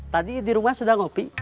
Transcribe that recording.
tadi di rumah sudah ngopi